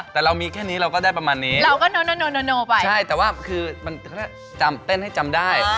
แต่เรามีแค่นี้เราก็ได้ประมาณนี้ใช่แต่ว่าคือเต้นให้จำได้